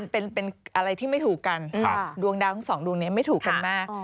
เป็นอะไรที่ไม่ถูกกันดวงดาวทั้งสองดวงนี้ไม่ถูกกันมาก